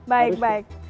baik baik baik